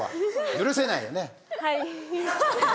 許せないよね？